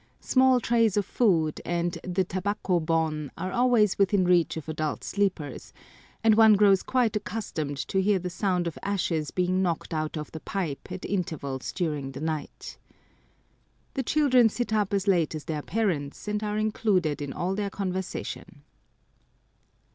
Small trays of food and the tabako bon are always within reach of adult sleepers, and one grows quite accustomed to hear the sound of ashes being knocked out of the pipe at intervals during the night. The children sit up as late as their parents, and are included in all their conversation.